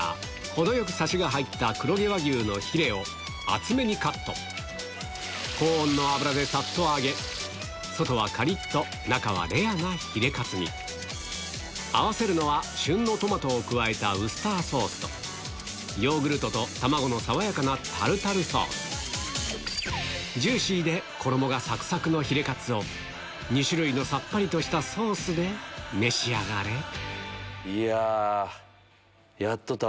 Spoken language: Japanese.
程よくサシが入った黒毛和牛のヒレを厚めにカット高温の油でさっと揚げ外はカリっと中はレアなヒレカツに合わせるのは旬のトマトを加えたウスターソースとヨーグルトと卵の爽やかなタルタルソースジューシーで衣がサクサクのヒレカツを２種類のさっぱりとしたソースで召し上がれいや。